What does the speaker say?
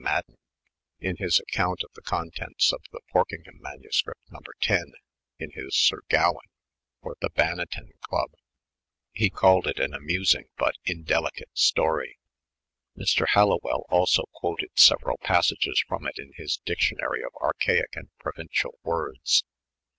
Madden, in his account of the contents of the Porkington MS No. 10, in his Syr Gawayne for the Bannatyne Clnb. He called it an amusing bat indelicate story. Mr. Halliwell also quoted several passages from it in his Dictionary of Archaic and Promncial Words.